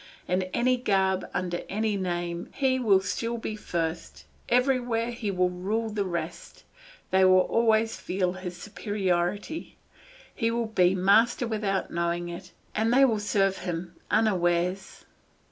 In any garb, under any name, he will still be first; everywhere he will rule the rest, they will always feel his superiority, he will be master without knowing it, and they will serve him unawares.